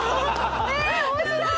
えっ面白い！